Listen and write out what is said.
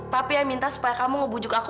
tapi yang minta supaya kamu ngebujuk aku